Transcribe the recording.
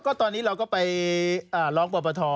ก็ตอนนี้เราก็ไปร้องปปท